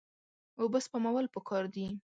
اوبه سپمول پکار دي.